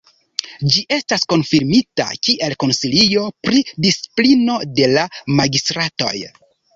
Ĝi estas konfirmita kiel konsilio pri disciplino de la magistratoj.